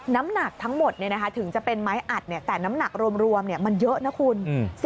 น้ำหนักทั้งหมดถึงจะเป็นไม้อัดแต่น้ำหนักรวมมันเยอะนะคุณ